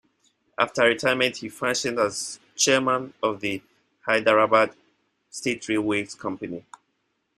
After retirement, he functioned as Chairman of the Hyderabad State Railway Company.